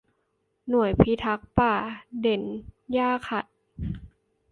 หน่วยพิทักษ์ป่าเด่นหญ้าขัด